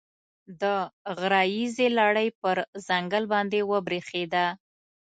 د غره ییزې لړۍ پر ځنګل باندې وبرېښېده.